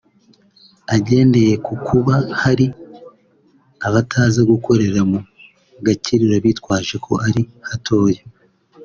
Agendeye ku kuba hari abataza gukorera mu gakiriro bitwaje ko ari hatoya